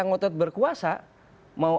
ngotot berkuasa mau